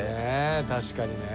確かにね。